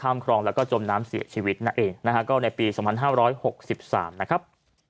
ครองแล้วก็จมน้ำเสียชีวิตนั่นเองนะฮะก็ในปี๒๕๖๓นะครับ